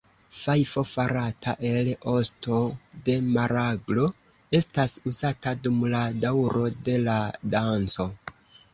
Fajfo farata el osto de maraglo estas uzata dum la daŭro de la danco.